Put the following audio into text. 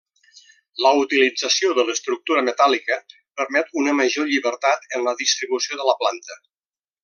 La utilització de l'estructura metàl·lica permet una major llibertat en la distribució de la planta.